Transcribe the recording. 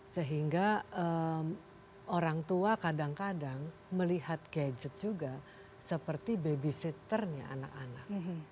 sehingga orang tua kadang kadang melihat gadget juga seperti babysitternya anak anak